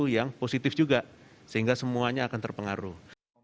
yang positif juga sehingga semuanya akan terpengaruh